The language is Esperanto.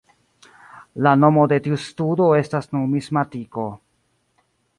La nomo de tiu studo estas numismatiko.